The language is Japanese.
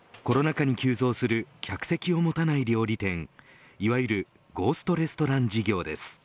コロナ禍に急増する客席を持たない料理店いわゆるゴーストレストラン事業です。